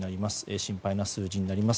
心配な数字になります。